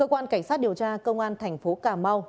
cơ quan cảnh sát điều tra công an thành phố cà mau